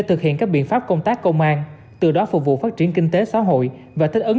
thực hiện các biện pháp công tác công an từ đó phục vụ phát triển kinh tế xã hội và thích ứng